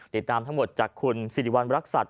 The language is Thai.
ติดตามทั้งหมดจากคุณสิริวัณรักษัตริย